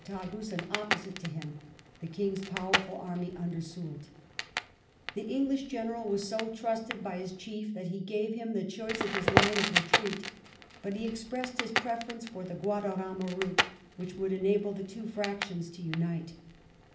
Tagus, and opposite to Um the King's powerful army under Soult The English General was so trusted by his chief that he gave him the choice of his line of retreat, but he expressed his preference for the Guadarama route which would enable the two fractions to unite.